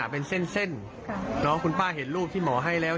อัดเจียนตลอดเลย